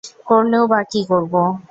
করলেও বা কী করব?